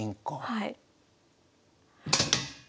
はい。